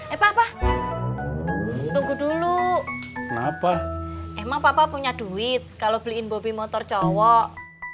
eh apa apa tunggu dulu kenapa emang papa punya duit kalau beliin bobby motor cowok